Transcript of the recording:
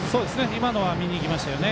今のは見にいきましたね。